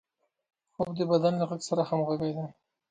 خوب د بدن له غږ سره همغږي ده